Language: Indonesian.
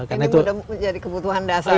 ini menjadi kebutuhan dasar